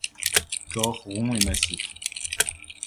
Corps rond et massif.